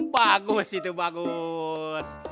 bagus itu bagus